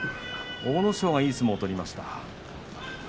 阿武咲はいい相撲を取りました。